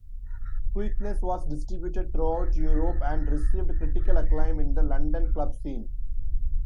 "Quickness" was distributed throughout Europe and received critical acclaim in the London club scene.